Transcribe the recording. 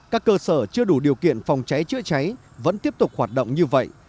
các cơ sở chưa đủ điều kiện phòng cháy chữa cháy vẫn tiếp tục hoạt động như vậy